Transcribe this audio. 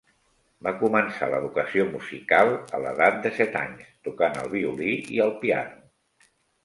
Va començar l'educació musical a l'edat de set anys, tocant el violí i el piano.